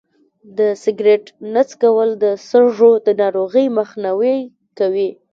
د سګرټ نه څکول د سږو د ناروغۍ مخنیوی کوي.